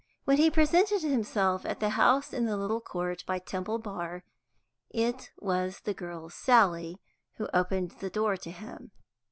When he presented himself at the house in the little court by Temple Bar, it was the girl Sally who opened the door to him.